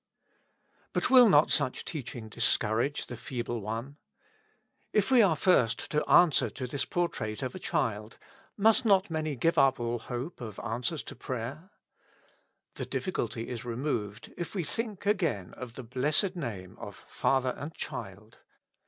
But will not such teaching discourage the feeble one? If we are first to answer to this portrait of a cliild, must not many give up all hope of answers to prayer ? The difficulty is removed if we think again of the blessed name of father and child.